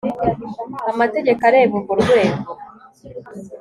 amategeko areba urwo rwego